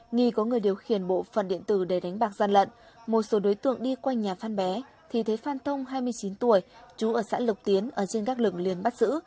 nghi có người điều khiển bộ phận điện tử để đánh bạc gian lận một số đối tượng đi quanh nhà phan bé thì thấy phan thông hai mươi chín tuổi chú ở xã lộc tiến ở trên các lực liền bắt giữ